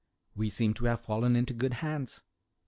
"We seem to have fallen into good hands."